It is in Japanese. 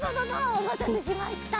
おまたせしました！